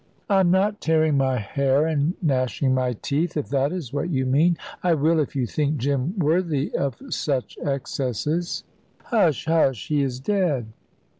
"I'm not tearing my hair and gnashing my teeth, if that is what you mean. I will, if you think Jim worthy of such excesses." "Hush, hush! He is dead."